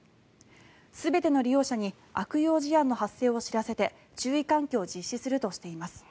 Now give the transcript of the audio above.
全ての利用者に悪用事案の発生を知らせて注意喚起を実施するとしています。